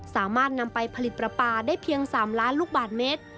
สามารถนำไปผลิตปลาปลาได้เพียง๓ล้านลูกบาทเมตร